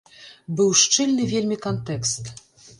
Быў шчыльны вельмі кантэкст.